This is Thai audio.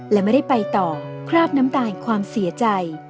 และไม่ได้ไปต่อคราบน้ำตายความเสียใจ